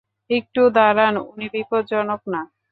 একটু দাঁড়ান, উনি বিপজ্জনক না।